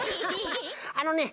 あのね